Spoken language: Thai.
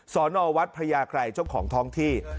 สอนอวัดพระยากรัยเจ้าของท้องที่